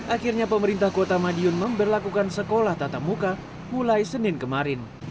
akhirnya pemerintah kota madiun memberlakukan sekolah tatamuka mulai senin kemarin